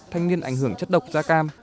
thanh niên ảnh hưởng chất độc da cam